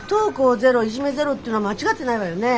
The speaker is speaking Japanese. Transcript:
ゼロっていうのは間違ってないわよねえ。